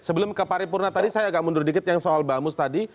sebelum ke paripurna tadi saya agak mundur dikit yang soal bamus tadi